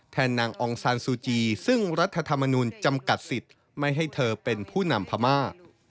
นางองซานซูจีซึ่งรัฐธรรมนุนจำกัดสิทธิ์ไม่ให้เธอเป็นผู้นำพม่า